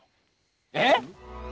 えっ！？